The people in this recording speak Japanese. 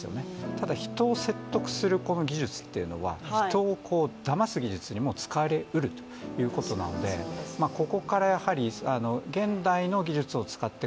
ただ人を説得する技術というのは人をだます技術にも使われうるということなので、ここから現代の技術を使って